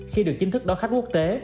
khi được chính thức đón khách quốc tế